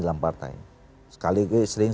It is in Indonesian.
dalam partai sekali sering